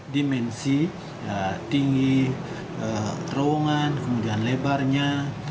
dimensi tinggi terowongan kemudian lebarnya